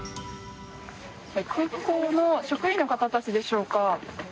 空港の職員の方たちでしょうか。